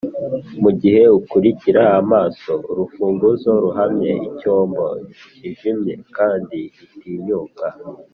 mugihe ukurikira amaso urufunguzo ruhamye, icyombo kijimye kandi gitinyuka;